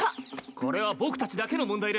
これは僕たちだけの問題です。